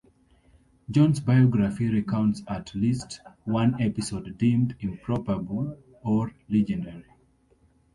John's biography recounts at least one episode deemed improbable or legendary.